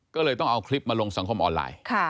ก็เลยต้องเอาคลิปมาลงสังคมออนไลน์